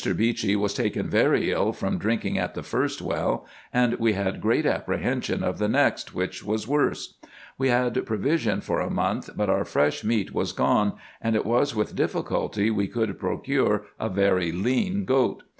Beechey was taken very ill, from drinking at the first well, and we had great apprehension of the next, which was worse. We had provision for a month, but our fresh meat was gone, and it was with difficulty we could procure a very lean goat.